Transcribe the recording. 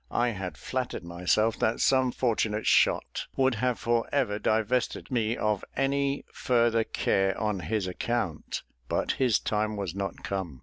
I had flattered myself that some fortunate shot would have for ever divested me of any further care on his account; but his time was not come.